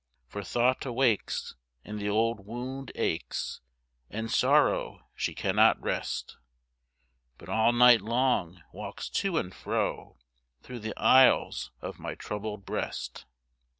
For thought awakes and the old wound aches, And Sorrow she cannot rest, But all night long walks to and fro Through the aisles of my troubled breast.